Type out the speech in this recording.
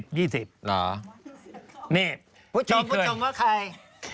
คุณผู้ชมผู้ชมว่าใคร